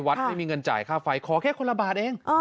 ไม่มีเงินจ่ายค่าไฟขอแค่คนละบาทเอง